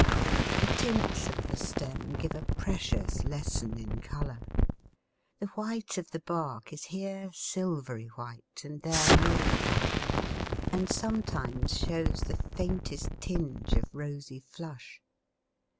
The tints of the stem give a precious lesson in colour. The white of the bark is here silvery white and there milk white, and sometimes shows the faintest tinge of rosy flush.